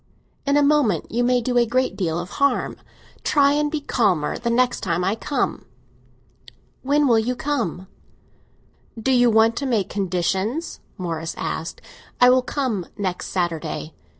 "In a moment you may do a great deal of harm. Try and be calmer the next time I come." "When will you come?" "Do you want to make conditions?" Morris asked. "I will come next Saturday."